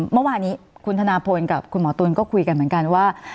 เมื่อวานนี้คุณธนาพลกับคุณหมอตุ๋นก็คุยกันเหมือนกันว่า